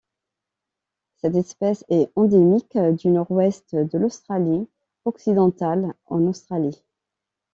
Cette espèce est endémique du Nord-Ouest de l'Australie-Occidentale en Australie.